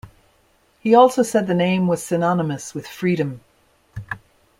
He also said the name was synonymous with "freedom".